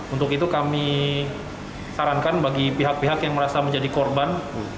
untuk itu kami sarankan bagi pihak pihak yang merasa menjadi korban